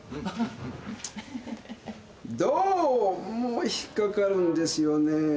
どうも引っ掛かるんですよねえ。